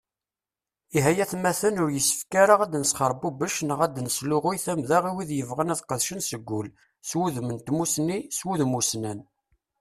Ihi ay atmaten, ur yessefk ara ad nesxerbubec neɣ ad nesluɣuy tamda i wid yebɣan ad qedcen seg ul, s wudem n tmusni, s wudem ussnan.